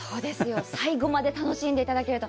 最後まで楽しんでいただけると。